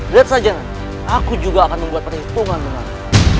lihat saja aku juga akan membuat perhitungan menarik